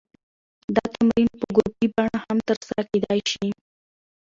دا تمرین په ګروپي بڼه هم ترسره کېدی شي.